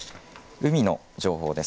海の情報です。